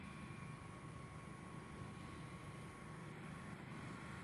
na nane Kiev ilipokea Ukristo wa Kiorthodoksi kutoka Bizanti Tukio hilo liliathiri moja kwa